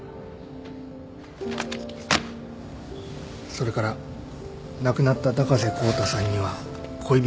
それから亡くなった高瀬康太さんには恋人がいました